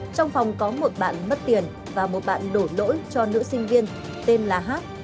trong phòng có một bạn mất tiền và một bạn đổ lỗi cho nữ sinh viên tên là hát